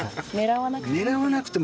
狙わなくても。